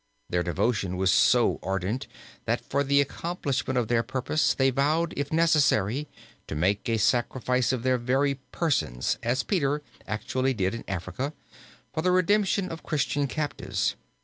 Their devotion was so ardent that for the accomplishment of their purpose they vowed if necessary to make a sacrifice of their very persons, as Peter actually did in Africa, for the redemption of Christian captives.